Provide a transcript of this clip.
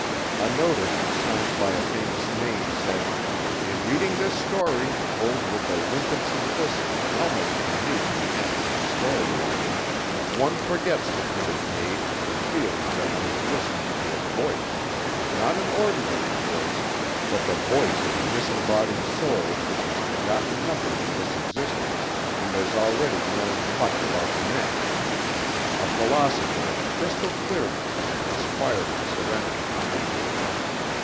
A notice signed by a famous name said, "In reading this story, told with a limpid simplicity almost unique in the annals of story writing, one forgets the printed page and feels that one is listening to a voice: not an ordinary voice, but the voice of a disembodied soul which has forgotten nothing of this existence and has already learned much about the next: a philosopher of crystal clearness and inspiring serenity."